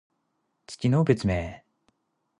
月の別名。